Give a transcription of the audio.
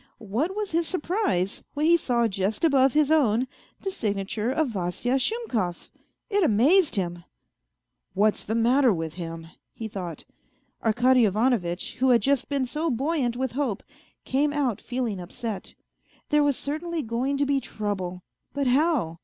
What was his surprise when he saw just above his own the signa ture of Vasya Shumkov 1 It amazed him. " What's the matter with him ?" he thought. Arkady Ivanovitch, who had just been so buoyant with hope, came out feeling upset. There was cer tainly going to be trouble, but how